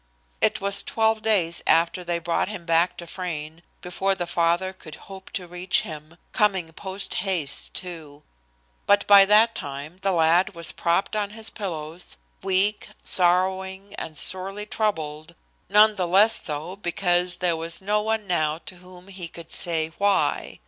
It was twelve days after they brought him back to Frayne before the father could hope to reach him, coming post haste, too; but by that time the lad was propped on his pillows, weak, sorrowing and sorely troubled, none the less so because there was no one now to whom he could say why.